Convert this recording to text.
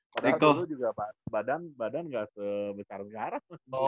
padahal dulu juga badan nggak sebesar besar asus